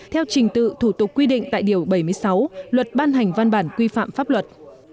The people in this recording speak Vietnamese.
theo trình tự thủ tục quy định tại điều bảy mươi sáu luật ban hành văn bản quy phạm pháp luật